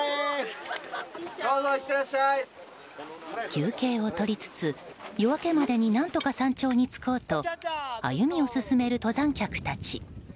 休憩を取りつつ、夜明けまでに何とか山頂に着こうと歩みを進める登山客たち。